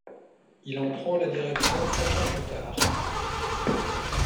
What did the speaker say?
Il en prend la direction cinq ans plus tard.